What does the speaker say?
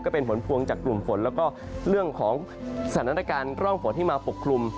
เป็นผลพวงจากกลุ่มฝนแล้วก็เรื่องของสถานการณ์ร่องฝนที่มาปกคลุม